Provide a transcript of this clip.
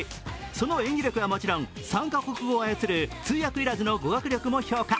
その演技力はもちろん、３か国語を操る通訳いらずの語学力も評価。